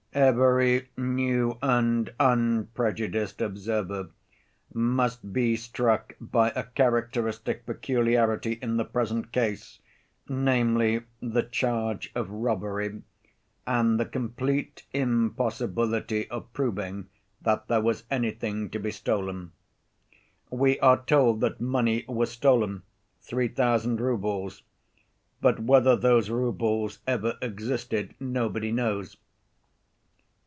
"Every new and unprejudiced observer must be struck by a characteristic peculiarity in the present case, namely, the charge of robbery, and the complete impossibility of proving that there was anything to be stolen. We are told that money was stolen—three thousand roubles—but whether those roubles ever existed, nobody knows.